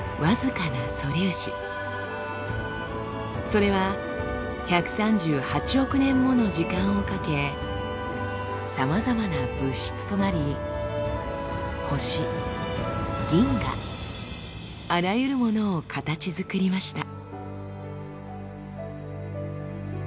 それは１３８億年もの時間をかけさまざまな物質となり星銀河あらゆるものを形づくりました。